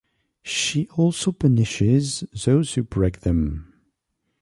She also punishes those who break them.